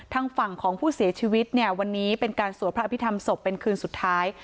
ทางฝั่งของผู้เสียชีวิตเนี่ยวันนี้เป็นการสวดพระอภิษฐรรมศพเป็นคืนสุดท้าย